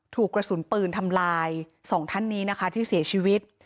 ถูกกระสุนปืนทำลายสองท่านนี้นะคะที่เสียชีวิต